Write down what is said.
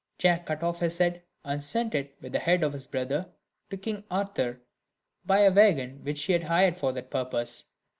Jack cut off his head, and sent it, with the head of his brother, to King Arthur, by a waggon which he had hired for that purpose.